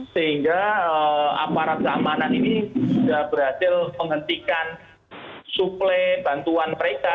sehingga aparat keamanan ini sudah berhasil menghentikan suplai bantuan mereka